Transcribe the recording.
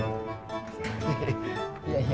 assalamualaikum pak haji